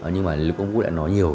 nhưng mà lưu quang vũ đã nói nhiều